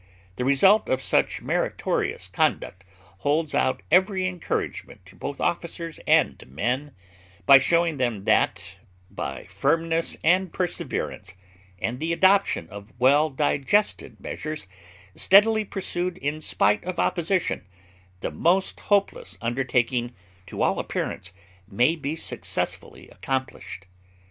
The result of such meritorious conduct holds out every encouragement to both officers and men, by showing them that, by firmness and perseverance, and the adoption of well digested measures, steadily ursued in spite of opposition, the most hopeless undertaking, to all appearance, may be successfully accomplished.